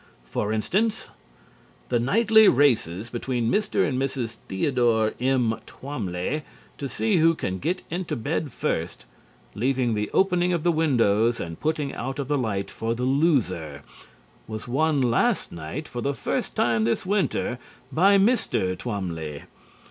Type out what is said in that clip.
For instance: The nightly races between Mr. and Mrs. Theodore M. Twamly, to see who can get into bed first, leaving the opening of the windows and putting out of the light for the loser, was won last night for the first time this winter by Mr. Twamly.